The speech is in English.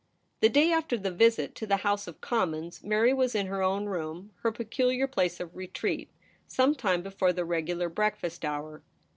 The day after the visit to the House of Commons, Mary was in her own room, her peculiar place of retreat, some time before the regular breakfast hour.